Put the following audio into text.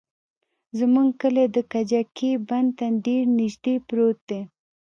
زموږ کلى د کجکي بند ته ډېر نژدې پروت دى.